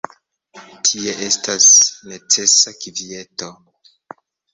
Tie estas necesa kvieto.